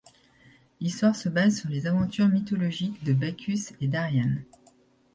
L'histoire se base sur les aventures mythologiques de Bacchus et d'Ariane.